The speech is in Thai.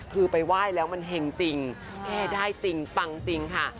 คือไปไหว้แล้วมันเห็งจริงแก้ได้จริงปังจริงค่ะ